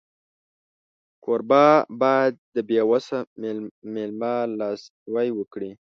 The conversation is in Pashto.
کوربه باید د بېوسه مېلمه لاسنیوی وکړي.